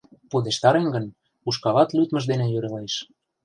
— Пудештарем гын, ушкалат лӱдмыж дене йӧрлеш.